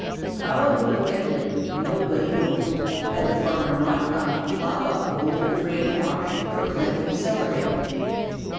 How it would have ended nobody knows, had the farmer not come to plough up the old drained marsh for planting celery.